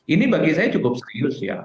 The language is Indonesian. ini bagi saya cukup serius ya